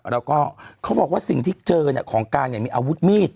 แล้วก็เขาบอกว่าสิ่งที่เจอของกาลมีอาวุธมีด